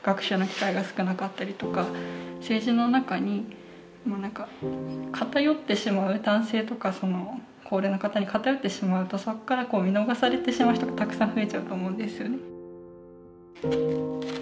政治の中に何か偏ってしまう男性とか高齢の方に偏ってしまうとそこから見逃されてしまう人がたくさん増えちゃうと思うんですよね。